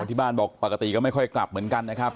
ที่บ้านบอกปกติก็ไม่ค่อยกลับเหมือนกันนะครับ